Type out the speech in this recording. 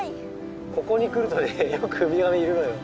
ここに来るとねよくウミガメいるのよ。